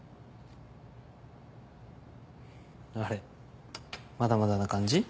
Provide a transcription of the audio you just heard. あれまだまだな感じ？